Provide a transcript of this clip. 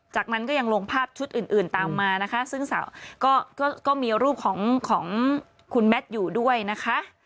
จากนั้นก็ยังลงภาพชุดอื่นอื่นตามมานะคะซึ่งสาวก็มีรูปของของคุณแมทอยู่ด้วยนะคะ